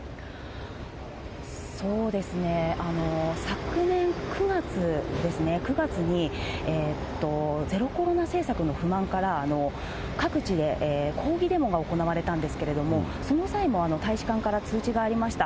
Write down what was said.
そうですね、昨年９月ですね、９月にゼロコロナ政策の不満から、各地で抗議デモが行われたんですけれども、その際も大使館から通知がありました。